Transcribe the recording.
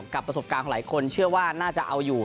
ประสบการณ์ของหลายคนเชื่อว่าน่าจะเอาอยู่